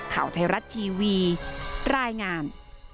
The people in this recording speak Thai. ข่าวไทยรัฐทีวีรายงาน